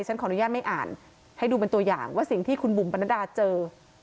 ขออนุญาตไม่อ่านให้ดูเป็นตัวอย่างว่าสิ่งที่คุณบุ๋มปนัดดาเจอ